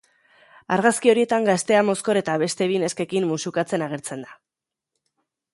Argazki horietan gaztea mozkor eta beste bi neskekin musukatzen agertzen da.